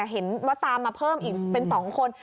เห็นว่าตามมาเพิ่มอีกเป็น๒คน